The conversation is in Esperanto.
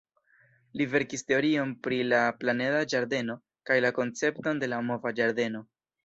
Li verkis teorion pri la «planeda ĝardeno» kaj la koncepton de la mova ĝardeno.